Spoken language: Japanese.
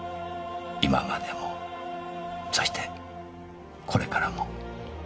今までもそしてこれからも。